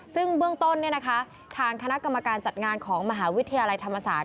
ซึ่งเบื้องต้นทางคณะกรรมการจัดงานของมหาวิทยาลัยธรรมศาสต